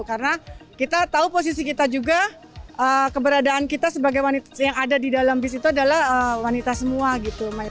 karena kita tahu posisi kita juga keberadaan kita sebagai wanita yang ada di dalam bis itu adalah wanita semua gitu